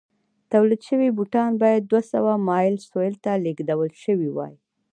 تولید شوي بوټان باید دوه سوه مایل سویل ته لېږدول شوي وای.